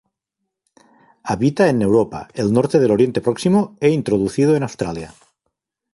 Habita en Europa, el norte del Oriente Próximo e introducido en Australia.